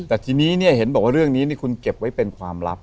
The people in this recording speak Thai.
แต่ทีนี้เห็นบอกว่าเรื่องนี้คุณเก็บไว้เป็นความลับ